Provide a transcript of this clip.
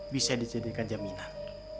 bisa dijadikan jaminan